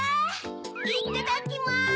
いっただきます！